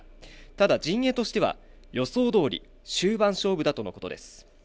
ただ陣営としては予想どおり、終盤勝負だということです。